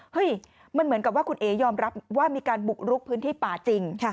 มันเหมือนกับว่าคุณเอ๋ยอมรับว่ามีการบุกรุกพื้นที่ป่าจริง